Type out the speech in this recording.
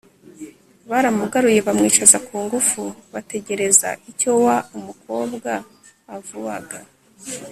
Baramugaruye bamwicaza ku ngufu bategereza icyo wa umukobwa avuaga